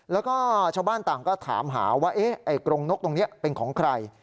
แล้วก็ชาวบ้านต่างก็ถามหาว่าไอ้กรงนกตรงนี้เป็นของใคร